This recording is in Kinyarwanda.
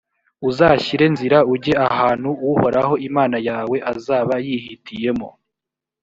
uzashyire nzira ujye ahantu uhoraho imana yawe azaba yihitiyemo;